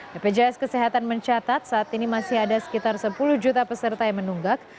bpjs kesehatan mencatat saat ini masih ada sekitar sepuluh juta peserta yang menunggak